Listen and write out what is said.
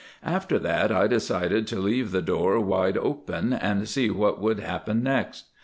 After that I decided to leave the door wide open and see what would happen next.